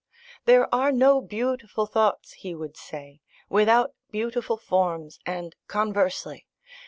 There are no beautiful thoughts (he would say) without beautiful forms, and conversely.